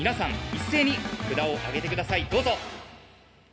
一斉に札をあげて下さいどうぞ。